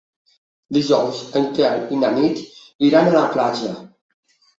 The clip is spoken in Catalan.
Dijous en Quel i na Nit iran a la platja.